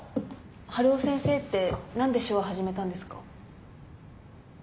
春尾先生って何で手話始めたんですか？